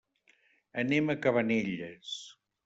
Anem a Cabanelles.